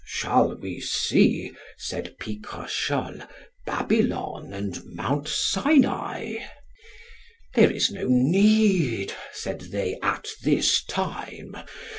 Shall we see, said Picrochole, Babylon and Mount Sinai? There is no need, said they, at this time.